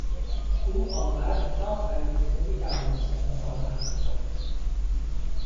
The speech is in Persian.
او آن قدر کتاب خرید که نمیتوانست آنها را حمل کند.